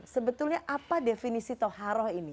sebetulnya apa definisi toharoh ini